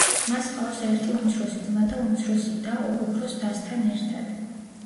მას ჰყავს ერთი უმცროსი ძმა და უმცროსი და ორ უფროს დასთან ერთად.